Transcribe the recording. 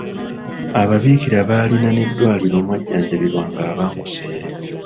Ababiikira baalina n’eddwaliro omwajjanjabirwanga abankuseere.